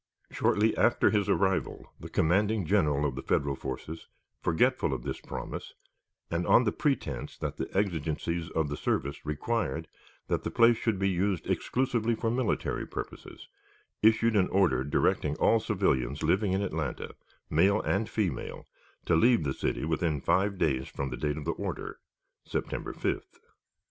Shortly after his arrival, the commanding General of the Federal forces, forgetful of this promise, and on the pretense that the exigencies of the service required that the place should be used exclusively for military purposes, issued an order directing all civilians living in Atlanta, male and female, to leave the city within five days from the date of the order (September 5th).